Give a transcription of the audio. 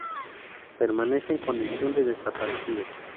Permanece en condición de desaparecido.